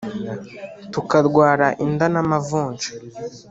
tukarwara inda n’amavuja